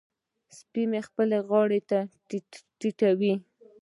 سپی مې خپلې غاړې ته ټيټوي.